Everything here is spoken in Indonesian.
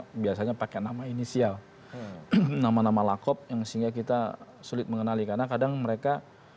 itu biasanya pakai nama inisial nama nama lakop yang sehingga kita sulit mengenali karena kadang mereka